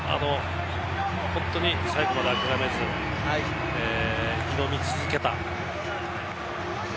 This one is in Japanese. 本当に最後まで諦めず挑み続けた。